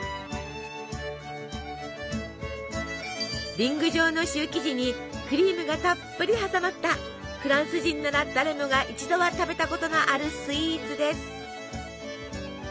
リング状のシュー生地にクリームがたっぷり挟まったフランス人なら誰もが一度は食べたことのあるスイーツです。